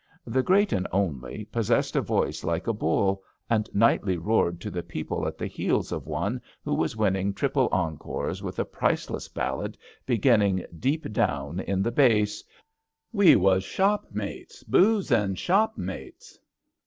The Great and Only possessed a voice like a bull, and nightly roared to the people at the heels of one who was winning triple encores with a priceless ballad beginning deep down in the bass : 268 ABAFT THE FUNNEL *^ We was shopmates — ^boozin' shopmates.